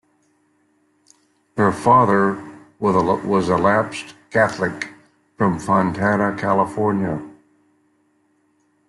Her father was a lapsed Catholic from Fontana, California.